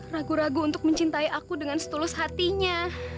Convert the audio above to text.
ragu ragu untuk mencintai aku dengan setulus hatinya